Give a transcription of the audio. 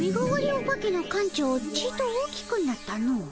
お化けの館長ちっと大きくなったの。